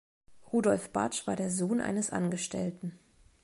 Rudolf Bartsch war der Sohn eines Angestellten.